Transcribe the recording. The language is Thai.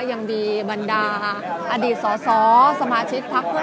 ยังมีบรรดาอดีตสสสมาชิกพักเพื่อ